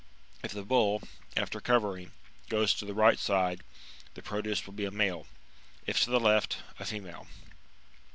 If the bull, after covering, goes to the right side, the produce will be a male ; if to the left, a female.